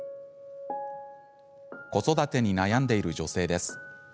子育てに悩んでいる女性です。